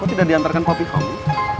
oh tidak diantarkan kopi kopi